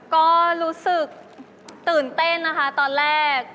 ก็รู้สึกตื่นเต้นนะคะตอนแรก